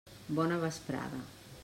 Bona vesprada.